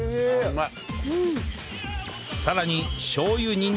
うまい。